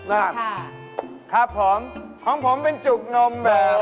ครับครับผมของผมเป็นจุกนมแบบ